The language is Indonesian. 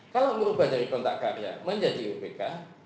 kalau merubah dari kontrak karya menjadi iupk